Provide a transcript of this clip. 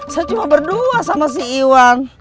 saya cuma berdua sama si iwan